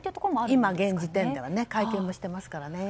今、現時点では会見もしていますから。